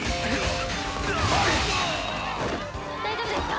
大丈夫ですか！？